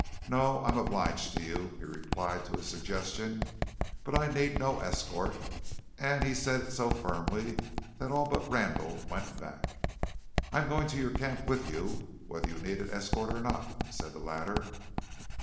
"No, I am obliged to you," he replied to a suggestion, "but I need no escort," and he said it so firmly that all but Randall went back. "I'm going to your camp with you, whether you need an escort or not," said the latter.